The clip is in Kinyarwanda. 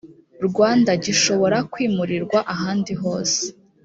rwanda gishobora kwimurirwa ahandi hose